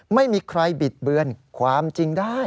ไม่มีใครบิดเบือนความจริงได้